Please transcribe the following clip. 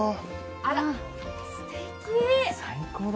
あらすてき！